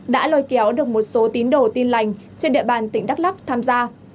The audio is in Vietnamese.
đã lôi kéo được một số tín đồ tin lành trên địa bàn tỉnh đắk lắc tham gia